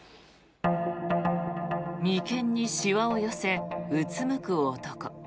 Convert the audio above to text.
眉間にシワを寄せうつむく男。